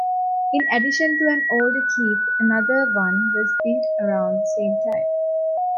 In addition to an older keep, another one was built around the same time.